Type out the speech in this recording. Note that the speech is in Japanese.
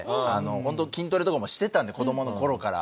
ホント筋トレとかもしてたんで子供の頃から。